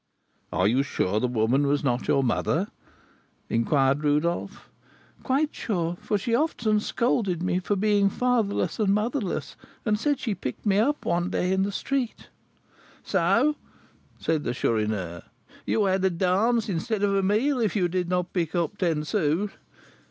"Are you sure the woman was not your mother?" inquired Rodolph. "Quite sure; for she often scolded me for being fatherless and motherless, and said she picked me up one day in the street." "So," said the Chourineur, "you had a dance instead of a meal, if you did not pick up ten sous?"